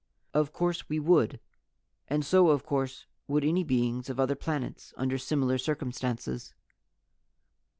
"Of course we would. And so of course would any beings on other planets, under similar circumstances."